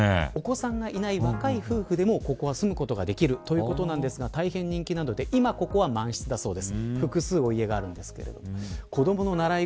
お子さんがいない若い夫婦でもここは住むことができるということなんですが今、ここは満室だそうです。